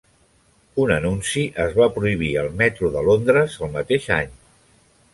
Un anunci es va prohibir al metro de Londres el mateix any.